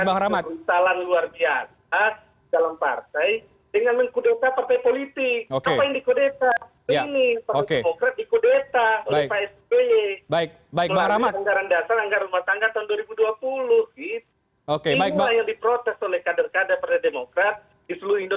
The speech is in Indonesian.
bahwa ini adalah persoalan internal partai